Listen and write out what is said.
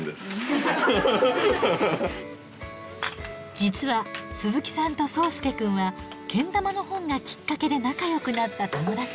実は鈴木さんと想亮くんはけん玉の本がきっかけで仲よくなった友達。